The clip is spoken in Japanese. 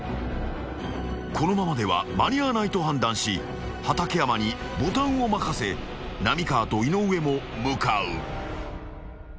［このままでは間に合わないと判断し畠山にボタンを任せ浪川と井上も向かう］